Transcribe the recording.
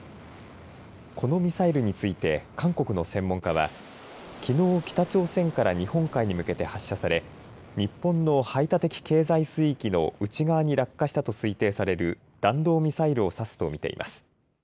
このミサイルについて韓国の専門家はきのう北朝鮮から日本海に向けて発射され日本の排他的経済水域の内側に落下したと推定される弾道ミサイルを指すと見ています。